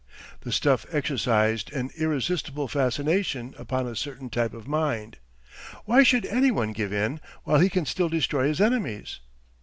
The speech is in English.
The stuff exercised an irresistible fascination upon a certain type of mind. Why should any one give in while he can still destroy his enemies?